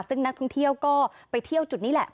ซึ่งนักท่องเที่ยวก็ไปเที่ยวจุดนี้แหละ